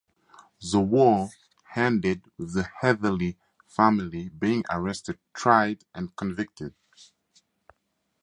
The "war" ended with the Heatherly family being arrested, tried, and convicted.